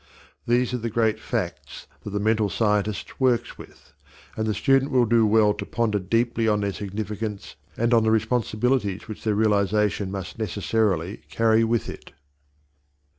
These are the great facts that the mental scientist works with, and the student will do well to ponder deeply on their significance and on the responsibilities which their realization must necessarily carry with it.